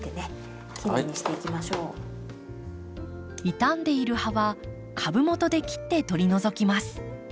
傷んでいる葉は株もとで切って取り除きます。